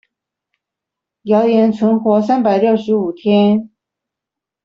謠言存活三百六十五天